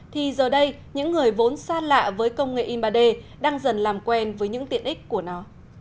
thì giờ đây những người vốn xa lạ với công nghệ in ba d đang dần làm quen với những tiện ích của nó